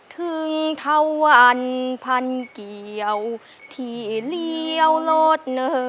ถึงเท่าวันพันเกี่ยวที่เลี้ยวโลดเนอ